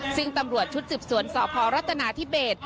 ซึ่งตำรวจชุดสืบสวนสพรัฐนาธิเบส